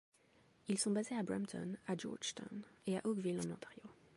Ils sont basés à Brampton, à Georgetown et à Oakville en Ontario.